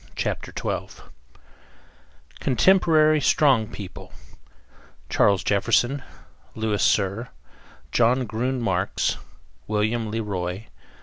CHAPTER TWELVE CONTEMPORARY STRONG PEOPLE: CHARLES JEFFERSON; LOUIS CYR; JOHN GRUN MARX; WILLIAM LE ROY.